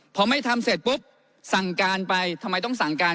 พอไม่ทำเสร็จปุ๊บสั่งการไปทำไมต้องสั่งการ